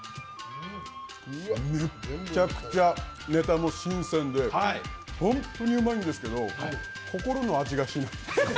めちゃくちゃネタも新鮮で本当にうまいんですけど心の味がしないです。